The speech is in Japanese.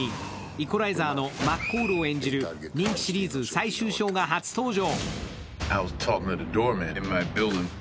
イコライザーのマッコールを演じる人気シリーズ最終章が新登場。